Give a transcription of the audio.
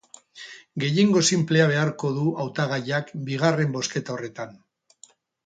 Gehiengo sinplea beharko du hautagaiak bigarren bozketa horretan.